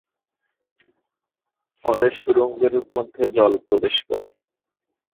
ফলে সুড়ঙ্গের মধ্যে জল প্রবেশ করে।